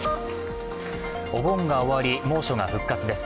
お盆が終わり、猛暑が復活です。